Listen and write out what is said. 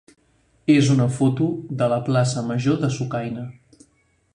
és una foto de la plaça major de Sucaina.